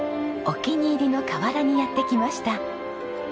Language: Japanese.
お気に入りの河原にやって来ました。